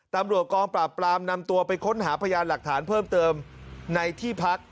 ตำรวจกองปราบปรามนำตัวไปค้นหาพยานหลักฐานเพิ่มเติมในที่พัก